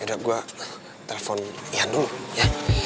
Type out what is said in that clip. yaudah gua telepon ian dulu ya